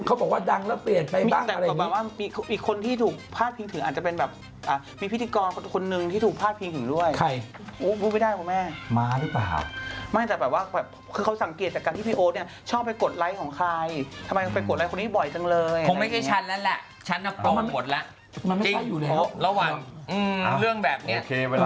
เขาบอกว่าดังแล้วเปลี่ยนไปบ้างอะไรอย่างนี้